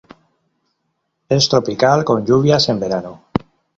Es tropical, con lluvias en verano.